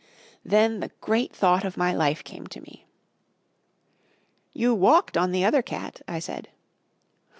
Then the great thought of my life came to me. "You walked on the other cat," I said.